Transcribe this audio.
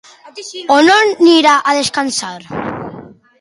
On anirà a descansar?